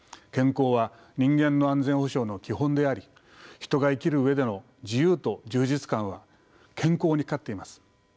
健康は人間の安全保障の基本であり人が生きる上での自由と充実感は健康にかかっています。